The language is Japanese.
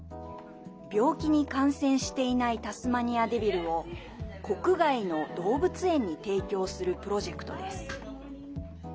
病気に感染していないタスマニアデビルを国外の動物園に提供するプロジェクトです。